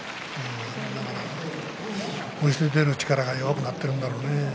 押して出る力が弱くなってるんだろうね。